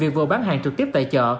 việc vừa bán hàng trực tiếp tại chợ